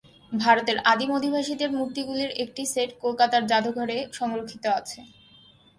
ভারতের আদিম অধিবাসীদের মূর্তিগুলির একটি সেট কলকাতার জাদুঘরে সংরক্ষিত আছে।